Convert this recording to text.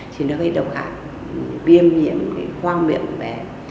thì nó gây độc hại viêm nhiễm hoang miệng của bé